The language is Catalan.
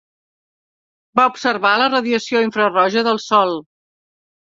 Va observar la radiació infraroja del Sol.